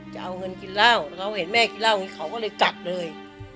จะเอาเงินกินเหล้าเราเห็นแม่กินเหล้าอย่างนี้เขาก็เลยกลับเลย